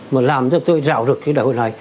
mà làm cho tôi rào rực cái đại hội này